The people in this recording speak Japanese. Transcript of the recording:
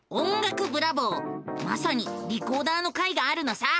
まさにリコーダーの回があるのさ！